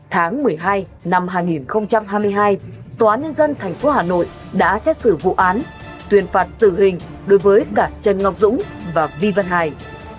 tháng một mươi hai năm hai nghìn hai mươi hai tòa án nhân dân tp hà nội đã xét xử vụ án tuyên phạt tử hình đối với cả trần ngọc dũng và vi văn hải